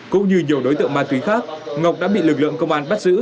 cũng như nhiều đối tượng ma túy khác ngọc đã bị lực lượng công an bắt giữ